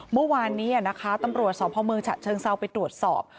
เมื่อวานนี้ตัมปลวงสวพเมืองฉะเชิงเซาไปตรวจสอบ